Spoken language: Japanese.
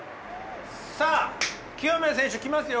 さあ清宮選手来ますよ。